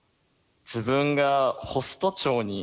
自分がホスト長に。